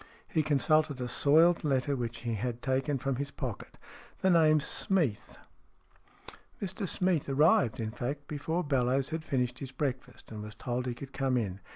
He consulted a soiled letter which he had taken from his pocket. "The name's Smeath." Mr Smeath arrived, in fact, before Bellowes had finished his breakfast, and was told he could come in.